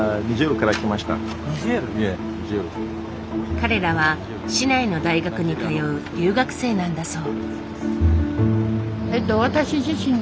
彼らは市内の大学に通う留学生なんだそう。